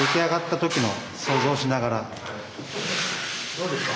どうですか？